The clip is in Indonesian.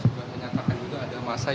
saya juga menyatakan juga ada masa yang